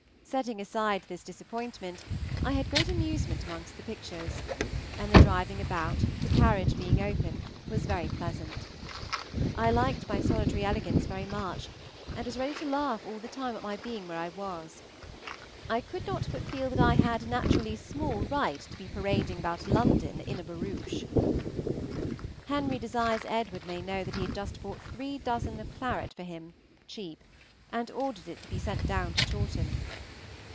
Setting aside this disappointment, I had great amusement among the pictures; and the driving about, the carriage being open, was very pleasant. I liked my solitary elegance very much, and was ready to laugh all the time at my being where I was. I could not but feel that I had naturally small right to be parading about London in a barouche. Henry desires Edward may know that he has just bought three dozen of claret for him (cheap), and ordered it to be sent down to Chawton.